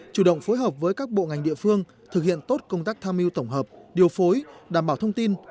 chủ động phối hợp với các bộ ngành địa phương thực hiện tốt công tác tham mưu tổng hợp điều phối đảm bảo thông tin